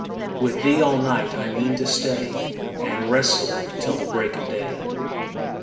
With Thee all night I mean to stay, And wrestle till the break of day.